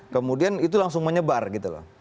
kemudian itu langsung menyebar gitu loh